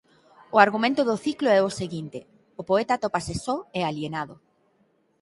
O argumento do ciclo é o seguinte: o poeta atópase só e alienado.